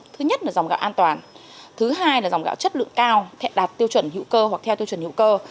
thứ nhất là dòng gạo an toàn thứ hai là dòng gạo chất lượng cao đạt tiêu chuẩn hữu cơ hoặc theo tiêu chuẩn hữu cơ